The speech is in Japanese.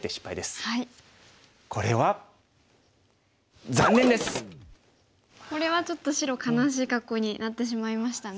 これはちょっと白悲しい格好になってしまいましたね。